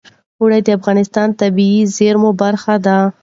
اوړي د افغانستان د طبیعي زیرمو برخه ده.